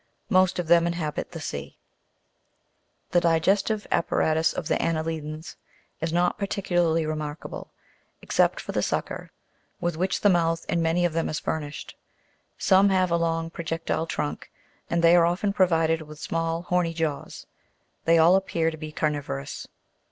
Most of them inhabit the sea. 5. The digestive apparatus of anne'lidans is not particularly remarkable, except for the sucker (?", j^. 74) with which the mouth in many of them is furnished ; some have a long projectile trunk, and they are often provided with small horny jaws. They all appear to be carni'vorous.